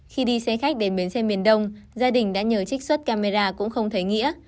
khi đi xe khách đến bến xe miền đông gia đình đã nhờ trích xuất camera cũng không thấy nghĩa